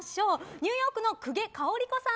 ニューヨークの久下香織子さん。